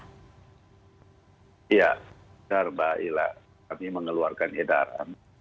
ya sejarah bahayalah